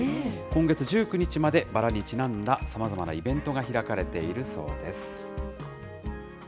今月１９日まで、バラにちなんださまざまなイベントが開かれているそうです。